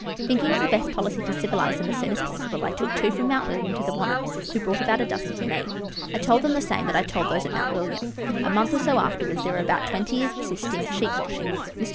Thinking it the best policy to civilize them as soon as possible, I took two from Mount William to the Wannon, who brought about a dozen to me. I told them the same that I told those at Mount William. A month or so afterwards there were about twenty assisting at sheep washing. Mr.